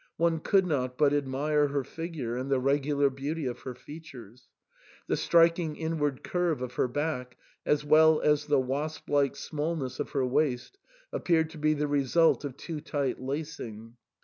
One could not but admire her figure and the regular beauty of her features. The striking inward curve of her back, as well as the wasp like smallness of her waist, appeared to be the result of too tight lacing.